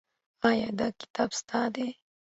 ایا دا ستا کتاب دی؟